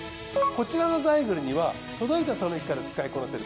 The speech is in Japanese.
こちらのザイグルには届いたその日から使いこなせる